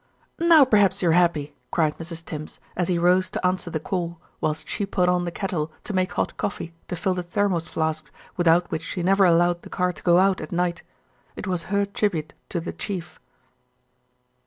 "Now perhaps you're happy," cried Mrs. Tims as he rose to answer the call, whilst she put on the kettle to make hot coffee to fill the thermos flasks without which she never allowed the car to go out at night. It was her tribute to "the Chief."